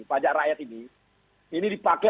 pajak rakyat ini ini dipakai